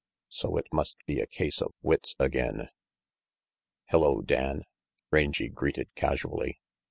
So it must be a case of wits again. "Hello, Dan," Rangy greeted casually.